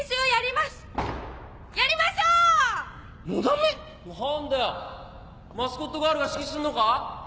マスコットガールが指揮するのか？